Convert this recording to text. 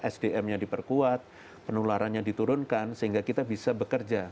sdm nya diperkuat penularannya diturunkan sehingga kita bisa bekerja